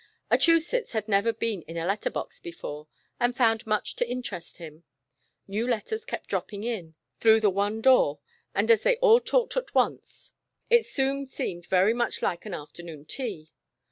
Achusetts had never been in a letter box before, and found much to interest him. New letters kept dropping in. through the one door, and as they all talked at once, it soon 244 " Achusetts's Ride to Philadelphia." seemed very much like an afternoon tea.